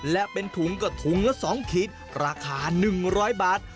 และเป็นถุงก็ถุงละ๒ขีดราคา๑๐๐บาท